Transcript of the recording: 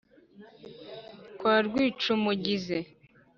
kwa r wicumugize